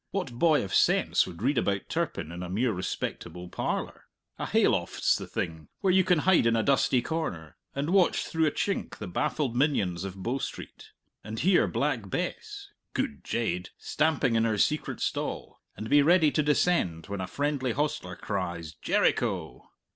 What boy of sense would read about Turpin in a mere respectable parlour? A hay loft's the thing, where you can hide in a dusty corner, and watch through a chink the baffled minions of Bow Street, and hear Black Bess good jade! stamping in her secret stall, and be ready to descend when a friendly hostler cries, "Jericho!"